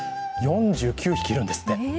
４９匹いるんですって。